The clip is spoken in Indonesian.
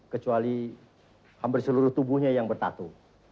kecuali hampir seluruh tubuhnya yang bertatu